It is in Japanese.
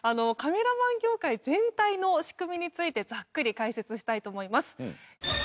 カメラマン業界全体の仕組みについてざっくり解説したいと思います。